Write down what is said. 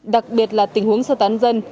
đặc biệt là tình huống sơ tán dân